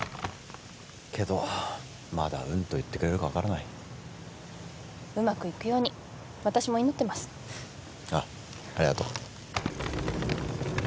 けどまだ「うん」と言ってくれるか分からないうまくいくように私も祈ってますああありがとう